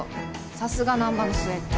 さすが難破の末っ子。